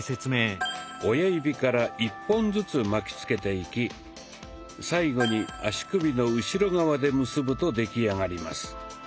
親指から１本ずつ巻きつけていき最後に足首の後ろ側で結ぶと出来上がります。